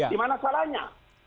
di mana salahnya